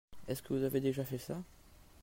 Est-ce que vous avez déjà fait ça ?